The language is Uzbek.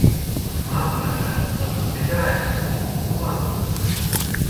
— Men bilan-a? Bekorni aytibsiz! Tuhmat!